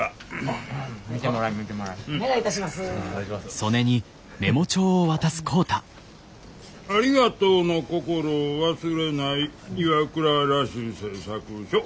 ありがとうの心を忘れない岩倉螺子製作所。